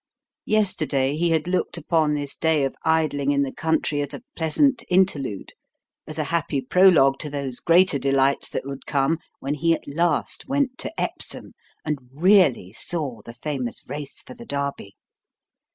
Yesterday, he had looked upon this day of idling in the country as a pleasant interlude, as a happy prologue to those greater delights that would come when he at last went to Epsom and really saw the famous race for the Derby.